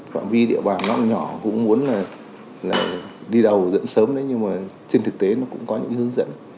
phạm vi địa bàn nó nhỏ cũng muốn là đi đầu dẫn sớm đấy nhưng mà trên thực tế nó cũng có những hướng dẫn